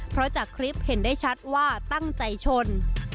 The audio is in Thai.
เพราะจากคลิปเห็นได้ชัดว่าตั้งใจชน